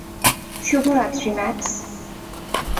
শুভ রাত্রি, ম্যাক্স।